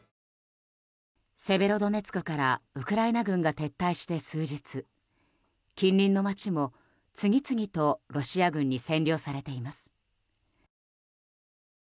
セベロドネツクからウクライナ軍が撤退して数日近隣の町も、次々とロシア軍に占領されています。